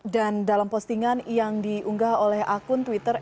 dan dalam postingan yang diunggah oleh akun twitter